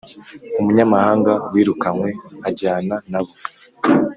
Umunyamahanga wirukanywe ajyana n abo